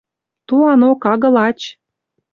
Туанок агыл ач.